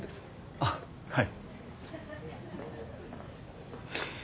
あっはい。